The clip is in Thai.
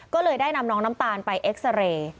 ก็เลยได้นำน้องน้ำตาลไปเอ็กซาเรย์